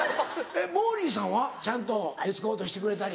モーリーさんはちゃんとエスコートしてくれたり。